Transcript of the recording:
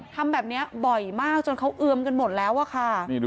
ทำแบบนี้บ่อยมากจนเขาเอือมกันหมดแล้วอะค่ะ